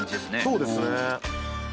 そうですね。